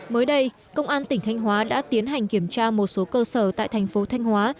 mới đây công an tỉnh thanh hóa đã tiến hành kiểm tra một số cơ sở tại thành phố thanh hóa